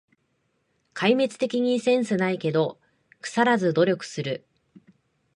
壊滅的にセンスないけど、くさらず努力する